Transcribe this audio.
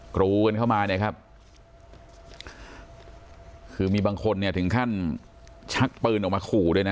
กรูกันเข้ามาเนี่ยครับคือมีบางคนเนี่ยถึงขั้นชักปืนออกมาขู่ด้วยนะ